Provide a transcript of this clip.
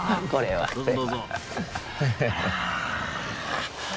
はい。